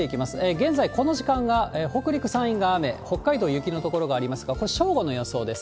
現在、この時間が北陸、山陰が雨、北海道、雪の所がありますが、これ、正午の予想です。